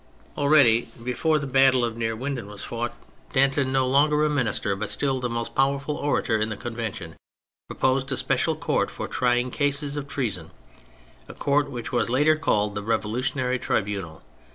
Already, before the battle of Neerwin THE PHASES 125 den was fought, Danton, no longer a minister, but still the most powerful orator in the Con vention, proposed a special court for trying cases of treason — a court which was later called " the Revolutionary Tribunal."